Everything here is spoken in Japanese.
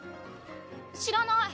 知らない。